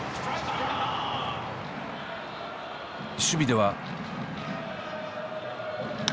守備では。